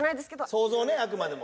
想像ねあくまでも。